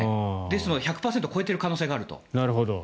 ですので１００％を超えている可能性があると。